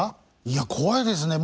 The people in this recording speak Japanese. いや怖いですね。